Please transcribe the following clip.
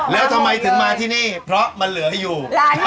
แล้วทำไมถึงมาที่นี่เพราะมันเหลืออยู่